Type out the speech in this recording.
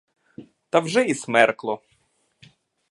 Та вже й смеркло.